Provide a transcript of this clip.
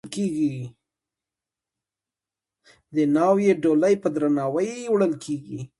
د ناوې ډولۍ په درناوي وړل کیږي.